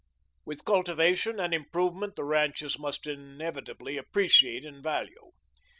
With cultivation and improvement the ranches must inevitably appreciate in value.